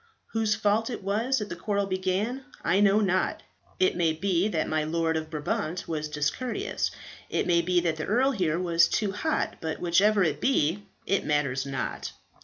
Whose fault it was that the quarrel began I know not. It may be that my Lord of Brabant was discourteous. It may be that the earl here was too hot. But whichever it be, it matters not."